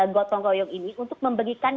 gotong royong ini untuk memberikan